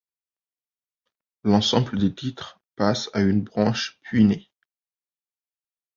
L'ensemble des titres passe à une branche puînée.